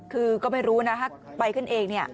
คือก็ไม่รู้นะถ้าไปขึ้นเองเนี่ย